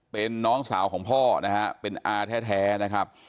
เป็นน้องสาวของพ่อนะฮะเป็นอาแท้นะครับ